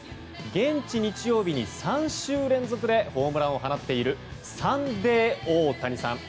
現地日曜日に３週連続でホームランを放っているサンデー大谷さん。